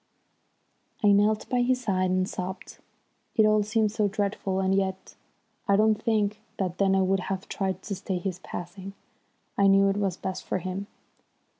I knelt by his side and sobbed. It all seemed so dreadful, and yet, I don't think that then I would have tried to stay his passing. I knew it was best for him.